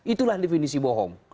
itulah definisi bohong